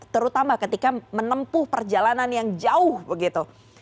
terutama ketika menempuh perjalanan yang jauh begitu